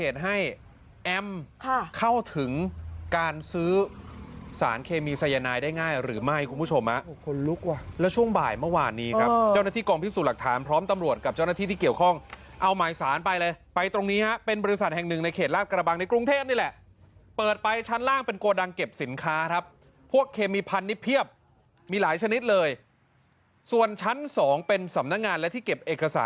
เท่าถึงการซื้อสารเคมีไซยานายได้ง่ายหรือไม่คุณผู้ชมอ่ะโอ้โหคนลุกว่ะแล้วช่วงบ่ายเมื่อวานนี้ครับเจ้าหน้าที่กองพิษสู่หลักฐานพร้อมตำรวจกับเจ้าหน้าที่ที่เกี่ยวข้องเอาหมายสารไปเลยไปตรงนี้ฮะเป็นบริษัทแห่งหนึ่งในเขตลาดกระบังในกรุงเทพนี่แหละเปิดไปชั้นล่างเป็นโกรดังเก็